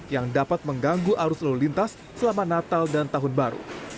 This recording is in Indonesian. yang dapat mengganggu arus lalu lintas selama natal dan tahun baru